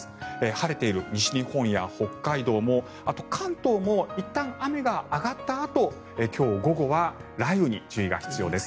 晴れている西日本や北海道もあと、関東もいったん雨が上がったあと今日午後は雷雨に注意が必要です。